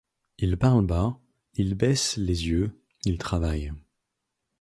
Ils parlent bas ; ils baissent les yeux ; ils travaillent.